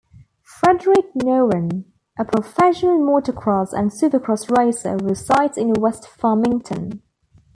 Fredrik Noren, a professional motocross and supercross racer, resides in West Farmington.